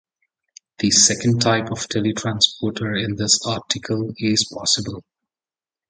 The second type of teletransporter in this article is possible.